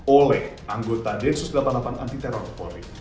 oleh anggota densus delapan puluh delapan anti teror polri